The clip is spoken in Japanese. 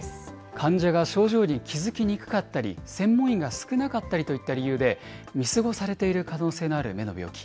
患者が症状に気付きにくかったり、専門医が少なかったりといった理由で、見過ごされている可能性のある目の病気。